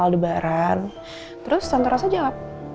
aldebaran terus tante rosa jawab